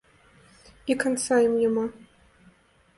І канца ім няма!